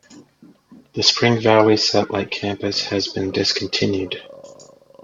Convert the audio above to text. The Spring Valley satellite campus has been discontinued.